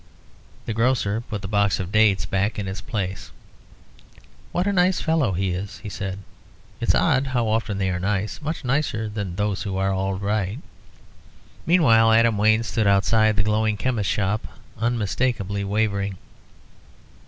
The grocer put the box of dates back in its place. "What a nice fellow he is!" he said. "It's odd how often they are nice. Much nicer than those as are all right." Meanwhile Adam Wayne stood outside the glowing chemist's shop, unmistakably wavering.